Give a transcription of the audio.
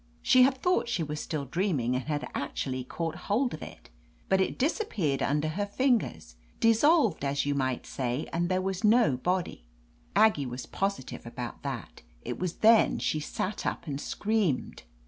She had thought she was still dreaming and had actu ally caught hold of it. But it disappeared * under her fingers, dissolved, as you might say, and there was no body. Aggie was positive about that. It was then she sat up and screamed.